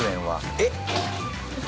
えっ！